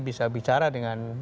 bisa bicara dengan